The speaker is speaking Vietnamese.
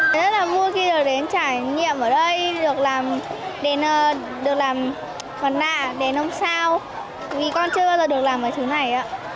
rất là vui khi được đến trải nghiệm ở đây được làm văn nạ đèn nông sao vì con chưa bao giờ được làm cái thứ này